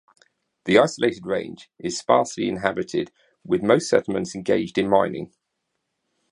The isolated range is sparsely inhabited with most settlements engaged in mining.